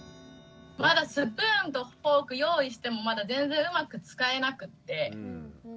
まだスプーンとフォーク用意してもまだ全然うまく使えなくって。